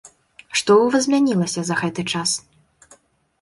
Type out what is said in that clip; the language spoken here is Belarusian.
Што ў вас змянілася за гэты час?